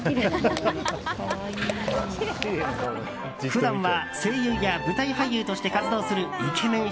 普段は声優や舞台俳優として活動するイケメン